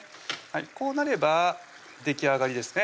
こうなればできあがりですね